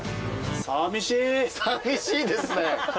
さみしいですね。